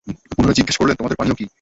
পুনরায় জিজ্ঞেস করলেনঃ তোমাদের পানীয় কি?